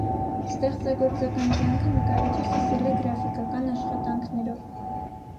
Ստեղծագործական կյանքը նկարիչը սկսել է գրաֆիկական աշխատանքներով։